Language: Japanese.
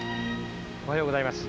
おはようございます。